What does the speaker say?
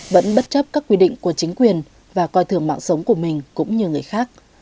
vẫn bất chấp các quy định của chính quyền và coi thường mạng sống của mình cũng như người khác